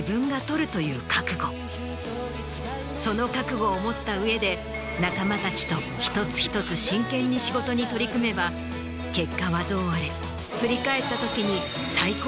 その覚悟を持った上で仲間たちと一つ一つ真剣に仕事に取り組めば結果はどうあれ。